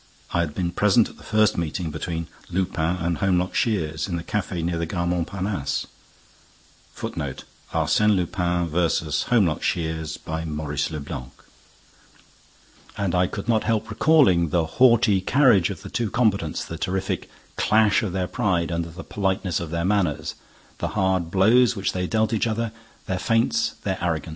I had been present at the first meeting between Lupin and Holmlock Shears, in the café near the Gare Montparnesse, and I could not help recalling the haughty carriage of the two combatants, the terrific clash of their pride under the politeness of their manners, the hard blows which they dealt each other, their feints, their arrogance.